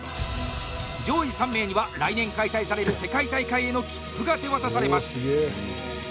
上位３名には来年、開催される世界大会への切符が手渡されます。